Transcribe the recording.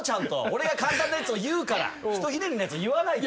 俺が簡単なやつを言うから一ひねりのやつ言わないと。